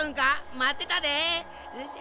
まってたで。